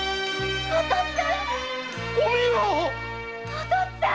お父っつぁん！